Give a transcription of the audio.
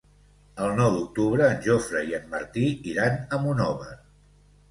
El nou d'octubre en Jofre i en Martí iran a Monòver.